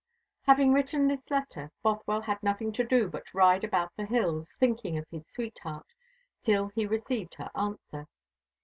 Having written this letter, Bothwell had nothing to do but to ride about the hills, thinking of his sweetheart, till he received her answer.